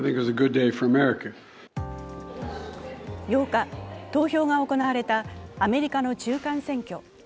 ８日、投票が行われたアメリカの中間選挙。